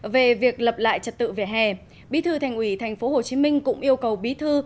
về việc lập lại trật tự vỉa hè bí thư thành ủy tp hcm cũng yêu cầu bí thư